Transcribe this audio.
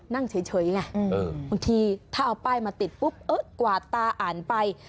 นั่งเฉยไงบางทีถ้าเอาป้ายมาติดปุ๊บกวาดตาอ่านไป